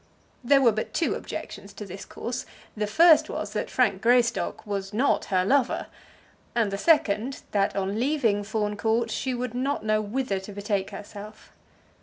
There were but two objections to this course. The first was that Frank Greystock was not her lover; and the second, that on leaving Fawn Court she would not know whither to betake herself.